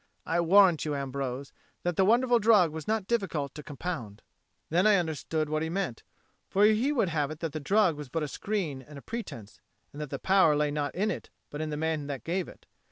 I warrant you, Ambrose, that the wonderful drug was not difficult to compound." Then I understood what he meant; for he would have it that the drug was but a screen and a pretence, and that the power lay not in it, but in the man that gave it.